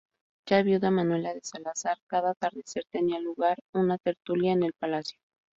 Ya viuda Manuela de Salazar, cada atardecer tenía lugar una tertulia en el palacio.